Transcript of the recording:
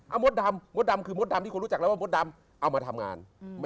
มดดำมดดำคือมดดำที่คนรู้จักแล้วว่ามดดำเอามาทำงาน